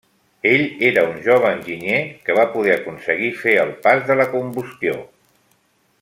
Ell era un jove enginyer que va poder aconseguir fer el pas de la combustió.